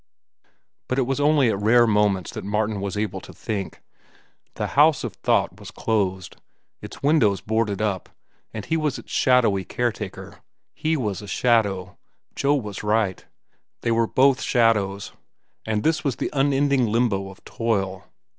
But it was only at rare moments that Martin was able to think. The house of thought was closed, its windows boarded up, and he was its shadowy caretaker. He was a shadow. Joe was right. They were both shadows, and this was the unending limbo of toil.